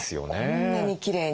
こんなにきれいに。